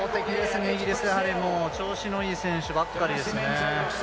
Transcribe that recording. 調子のいい選手ばかりですね。